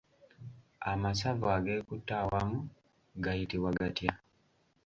Amasavu ageekutte awamu gayitibwa gatya?